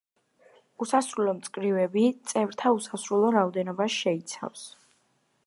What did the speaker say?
უსასრულო მწკრივები წევრთა უსასრულო რაოდენობას შეიცავს.